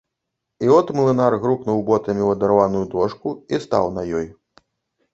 І от млынар грукнуў ботамі ў адарваную дошку і стаў на ёй.